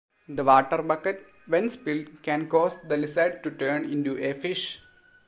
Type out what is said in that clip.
The water bucket, when spilled, can cause the lizard to turn into a fish.